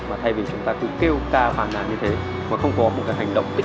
và thay vì chúng ta cứ kêu cao phản ảnh như thế mà không có một cái hành động tích cực